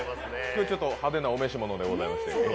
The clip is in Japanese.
今日ちょっと派手なお召し物でございまして。